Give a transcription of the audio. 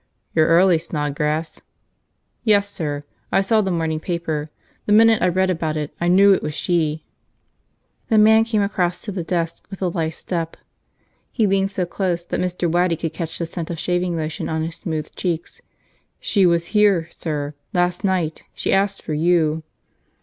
"You're early, Snodgrass." "Yes, sir. I saw the morning paper. The minute I read about it, I knew it was she!" The man came across to the desk with a lithe step. He leaned so close that Mr. Waddy could catch the scent of shaving lotion on his smooth cheeks. "She was here, sir! Last night. She asked for you."